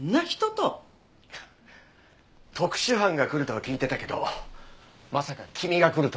フッ特殊犯が来るとは聞いてたけどまさか君が来るとは。